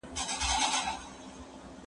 لویه جرګه کله د هیواد لپاره نوي لاره پرانیزي؟